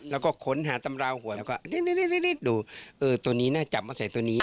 แล้วก็ขนหาตำราหวยแล้วก็ดูตัวนี้น่าจะมาใส่ตัวนี้